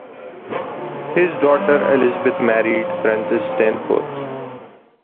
His daughter Elizabeth married Francis Stainforth.